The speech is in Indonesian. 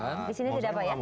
di sini tidak pak ya